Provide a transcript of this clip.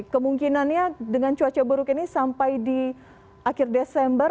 kemungkinannya dengan cuaca buruk ini sampai di akhir desember